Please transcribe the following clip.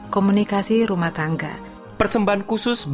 ku datang kepada yesus